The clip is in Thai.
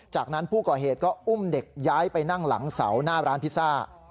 จากนั้นผู้ก่อเหตุก็อุ้มเด็กย้ายไปนั่งหลังเสาหน้าร้านพิซซ่า